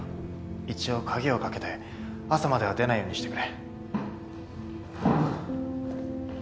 一応鍵を掛けて朝までは出ないようにしてくれ。